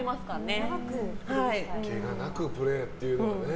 けがなくプレーっていうのがね。